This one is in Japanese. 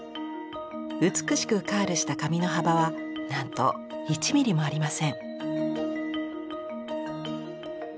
美しくカールした紙の幅はなんと１ｍｍもありません。